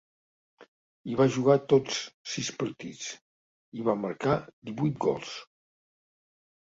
Hi va jugar tots sis partits, i hi va marcar divuit gols.